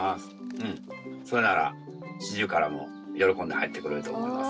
それならシジュウカラも喜んで入ってくれると思います。